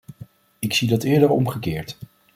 Ik zie dat eerder omgekeerd.